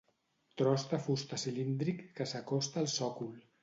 Tros de fusta cilíndric que s'acosta al sòcol.